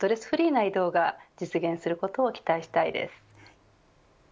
フリーな移動が実現することを期待したいです。